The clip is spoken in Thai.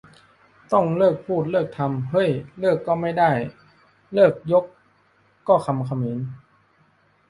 ต้องเลิกพูดเลิกทำ เฮ้ย เลิกก็ไม่ได้ 'เลิก' ยก ก็คำเขมร !